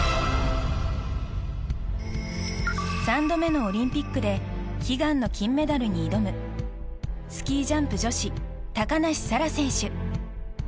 ３度目のオリンピックで悲願の金メダルに挑むスキージャンプ女子高梨沙羅選手。